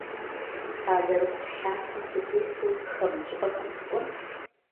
Сэ алэрыбгъу лъатэм сытесу хамэ щӏыпӏэхэм сыкӏуэнт.